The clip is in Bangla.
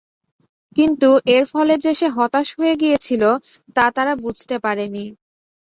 কিন্তু এর ফলে যে সে হতাশ হয়ে গিয়েছিল, তা তারা বুঝতে পারে নি।